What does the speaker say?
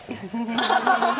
ハハハハ！